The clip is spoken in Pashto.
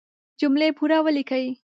جملې پوره وليکئ!